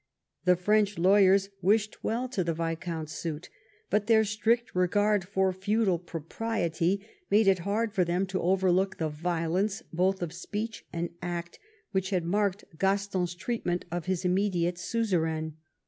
The French lawyers wished well to the viscount's suit, but their strict regard for feudal propriety made it hard for them to overlook the violence, both of speech and act, which had marked Gaston's treatment of his immediate suze V EDWARD'S CONTINENTAL POLICY 91 rain.